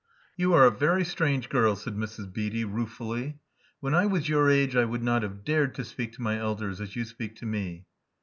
You are a very strange girl," said Mrs. Beatty, ruefully. When I was your age, I would not have dared to speak to my elders as you speak to me."